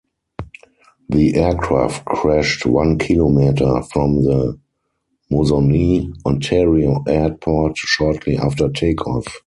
The aircraft crashed one kilometre from the Moosonee, Ontario airport, shortly after take-off.